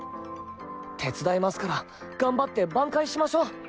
手伝いますから頑張って挽回しましょう。